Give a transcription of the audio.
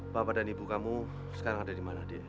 bapak dan ibu kamu sekarang ada dimana